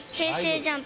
ＪＵＭＰ。